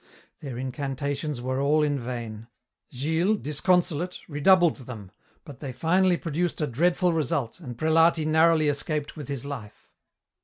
Their incantations were all in vain. Gilles, disconsolate, redoubled them, but they finally produced a dreadful result and Prelati narrowly escaped with his life.